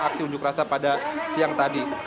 aksi unjuk rasa pada siang tadi